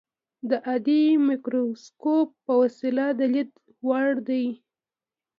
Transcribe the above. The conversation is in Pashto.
د عادي مایکروسکوپ په وسیله د لیدلو وړ دي.